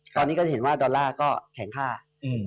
ตอนนี้ก็จะเห็นว่าดอลลาร์ก็แข็งค่า